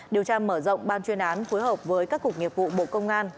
điều tra mở rộng ban chuyên án phối hợp với các cục nghiệp vụ bộ công an